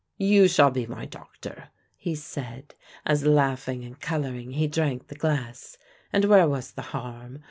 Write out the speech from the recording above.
"You shall be my doctor," he said, as, laughing and coloring, he drank the glass and where was the harm?